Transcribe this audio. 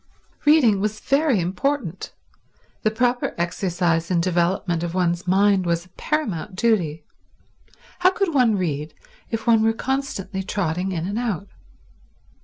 Reading was very important; the proper exercise and development of one's mind was a paramount duty. How could one read if one were constantly trotting in and out?